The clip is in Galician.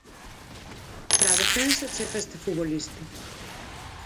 Para a defensa chega este futbolista.